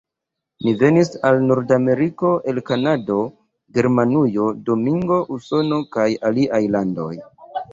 Ni venis al Nord-Ameriko el Kanado, Germanujo, Domingo, Usono, kaj aliaj landoj.